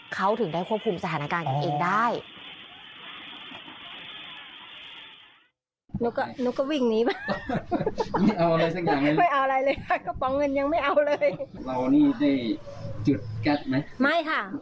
เขาถึงได้ควบคุมสถานการณ์กันเองได้